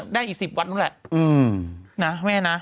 ได้อีก๑๐วัดนู้นแหละนะแม่นะ